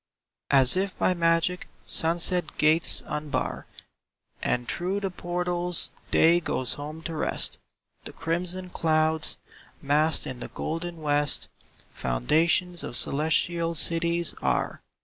S if by magic sunset gates unbar And through the portals Day goes home to rest; The crimson clouds, massed in the golden west, Foundations of celestial cities are.